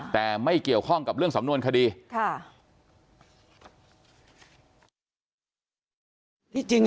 แต่ไม่เกี่ยวข้องกับเรื่องสำนวนคดีค่ะ